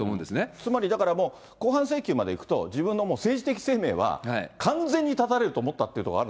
つまりだからもう、公判請求まで行くと、自分の政治的生命は完全に断たれると思ったということがある？